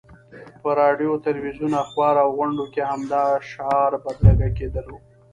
په راډیو، تلویزیون، اخبار او غونډو کې همدا شعار بدرګه کېدلو.